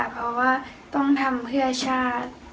เพราะว่าต้องทำเพื่อชาติ